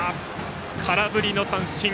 空振りの三振！